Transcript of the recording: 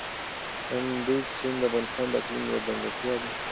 کندز سیند د افغانستان د اقلیم یوه ځانګړتیا ده.